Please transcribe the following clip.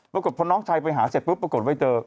ปรากฏพอน้องชายไปหาเสร็จปุ๊บปรากฏไม่เจอ